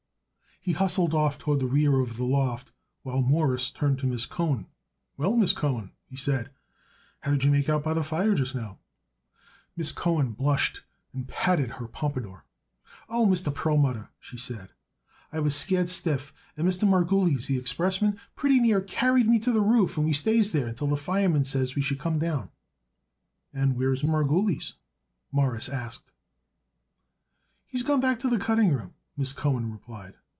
He hustled off toward the rear of the loft while Morris turned to Miss Cohen. "Well, Miss Cohen," he said, "how did you make out by the fire just now?" Miss Cohen blushed and patted her pompadour. "Oh, Mr. Perlmutter," she said, "I was scared stiff, and Mr. Margulies, the expressman, pretty near carried me up to the roof and we stays there till the fireman says we should come down." "And where's Margulies?" Morris asked. "He's gone back to the cutting room," Miss Cohen replied.